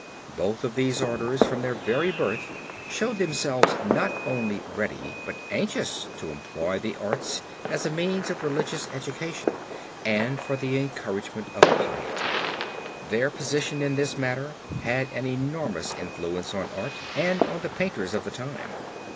Both of these orders from their very birth showed themselves not only ready but anxious to employ the arts as a means of religious education and for the encouragement of piety. Their position in this matter had an enormous influence on art and on the painters of the time.